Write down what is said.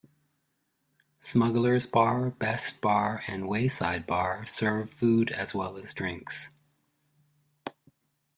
Smugglers Bar, Best Bar, and Wayside Bar serves food as well as drinks.